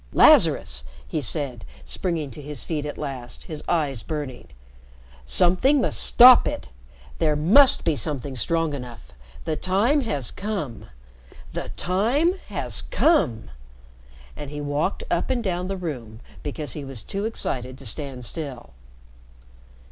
"Lazarus," he said, springing to his feet at last, his eyes burning, "something must stop it! There must be something strong enough. The time has come. The time has come." And he walked up and down the room because he was too excited to stand still.